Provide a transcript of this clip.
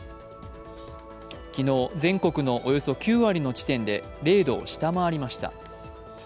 昨日、全国のおよそ９割の地点で０度を下回りました。